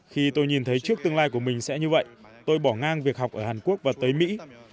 khi tôi nhìn thấy trước tương lai của mình sẽ như vậy tôi bỏ ngang việc học ở hàn quốc và tới mỹ